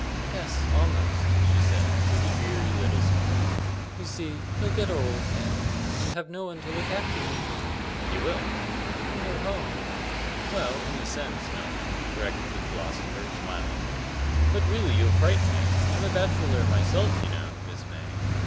"Yes, almost," she said, with a dreary little smile. "You see, he'll get old, and and have no one to look after him." "He will." "And no home." "Well, in a sense, none," corrected the philosopher, smiling. "But really you'll frighten me. I'm a bachelor myself, you know, Miss May."